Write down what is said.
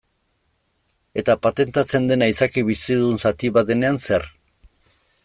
Eta patentatzen dena izaki bizidun zati bat denean zer?